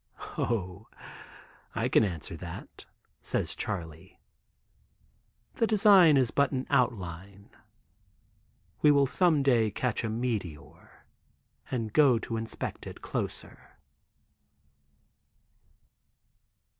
"Oh, I can answer that," says Charley. "The design is but in outline. We will some day catch a meteor, and go to inspect it closer."